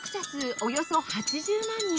およそ８０万人